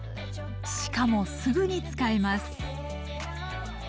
しかもすぐに使えます